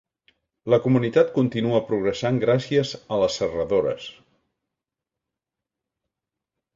La comunitat continua progressant gràcies a les serradores.